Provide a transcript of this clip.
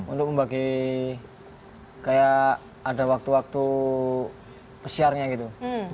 untuk membagi kayak ada waktu waktu pesiarnya gitu